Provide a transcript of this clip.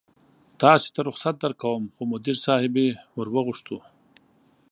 تاسې ته رخصت درکوم، خو مدیر صاحبې ور وغوښتو.